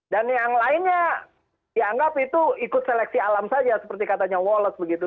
dan yang lainnya dianggap itu ikut seleksi alam saja seperti katanya wallace begitu